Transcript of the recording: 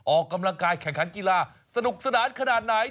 ออกกำลังกายแข่งขันกีฬาสนุกสนานขนาดไหน